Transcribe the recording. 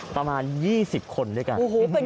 ประมาณ๒๐คนด้วยกัน